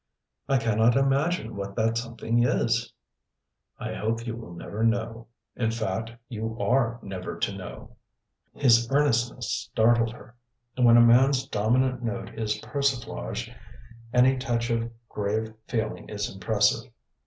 "I cannot imagine what that something is." "I hope you will never know. If fact, you are never to know." His earnestness startled her. When a man's dominant note is persiflage any touch of grave feeling is impressive.